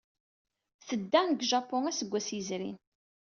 Tedda seg Japun aseggas yezrin.